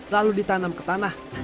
lalu ditanam ke tanah